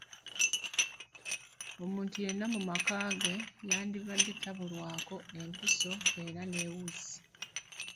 Omuntu yenna mu maka ge yandibadde tabulwako mpiso era ne wuzi.